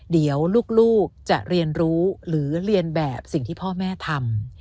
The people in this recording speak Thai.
เดี๋ยวลูกจะเรียนรู้หรือเรียนแบบสิ่งที่พ่อแม่ทำ